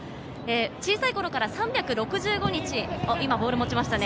小さい頃から３６５日、今ボールを持ちましたね。